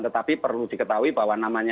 tetapi perlu diketahui bahwa namanya